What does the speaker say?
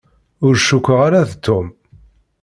Ur cukkeɣ ara d Tom.